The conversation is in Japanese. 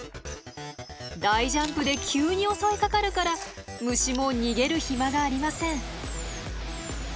大ジャンプで急に襲いかかるから虫も逃げる暇がありません。